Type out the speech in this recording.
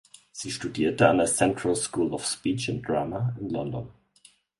Sie studierte an der Central School of Speech and Drama in London.